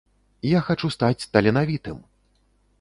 Я хачу стаць таленавітым!